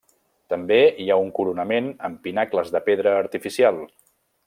També hi ha un coronament amb pinacles de pedra artificial.